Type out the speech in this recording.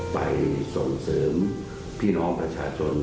ไปส่งเสริมพี่น้องประชาชน